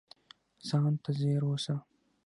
ځان ته ځیر اوسه